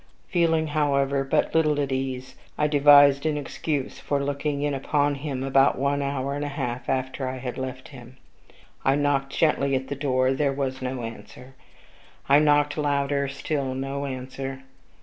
Feeling, however, but little at ease, I devised an excuse for looking in upon him about one hour and a half after I had left him. I knocked gently at his door; there was no answer. I knocked louder; still no answer.